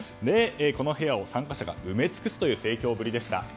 この部屋を参加者が埋め尽くすという盛況ぶりでした。